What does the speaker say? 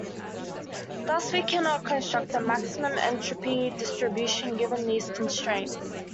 Thus, we cannot construct a maximum entropy distribution given these constraints.